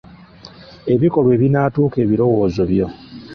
ebikolwa ebinaatuuka ebirowoozo byo